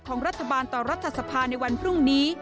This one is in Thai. ของรัฐบาลต่อรัฐสภาในวันพรุ่งนี้